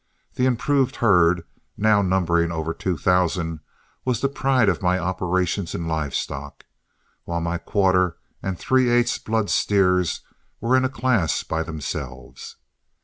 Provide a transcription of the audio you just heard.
The improved herd, now numbering over two thousand, was the pride of my operations in live stock, while my quarter and three eighths blood steers were in a class by themselves.